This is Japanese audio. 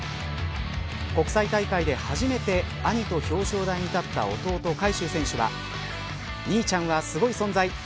国際大会で初めて兄と表彰台に立った弟、海祝選手は兄ちゃんはすごい存在。